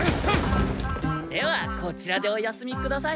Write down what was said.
ではこちらでお休みください。